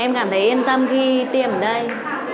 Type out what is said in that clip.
em cảm thấy yên tâm khi tiêm ở đây